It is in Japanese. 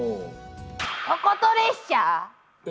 ことこと列車⁉え？